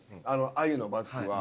あゆのバッグは。